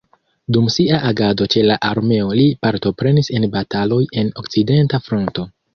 Dum sia agado ĉe la armeo li partoprenis en bataloj en okcidenta fronto.